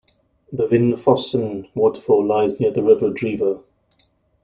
The Vinnufossen waterfall lies near the river Driva.